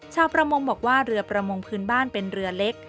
ชาวประมงบอกว่าเรือประมงพื้นบ้านเป็นเรือเล็ก